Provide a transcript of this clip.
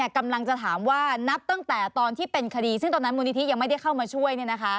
กำลังจะถามว่านับตั้งแต่ตอนที่เป็นคดีซึ่งตอนนั้นมูลนิธิยังไม่ได้เข้ามาช่วย